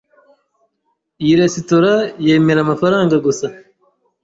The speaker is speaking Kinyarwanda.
Iyi resitora yemera amafaranga gusa.